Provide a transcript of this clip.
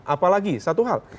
apalagi satu hal